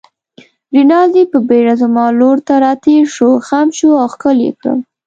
رینالډي په بېړه زما لور ته راتېر شو، خم شو او ښکل يې کړم.